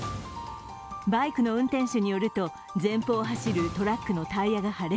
バイクの運転手によると、前方を走るトラックのタイヤが破裂。